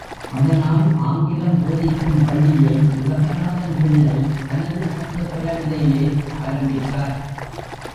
அதனால் ஆங்கிலம் போதிக்கும் பள்ளியை உலகநாதன் பிள்ளை தனது சொந்த செலவிலேயே ஆரம்பித்தார்.